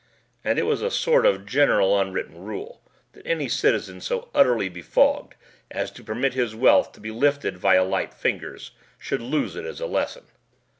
And it was a sort of general unwritten rule that any citizen so utterly befogged as to permit his wealth to be lifted via light fingers should lose it as a lesson!